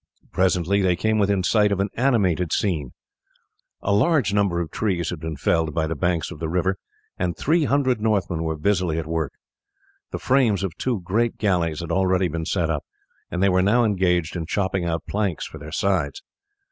Presently they came within sight of an animated scene. A large number of trees had been felled by the banks of the river and three hundred Northmen were busily at work. The frames of two great galleys had already been set up, and they were now engaged in chopping out planks for their sides.